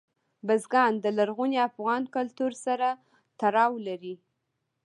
بزګان د لرغوني افغان کلتور سره تړاو لري.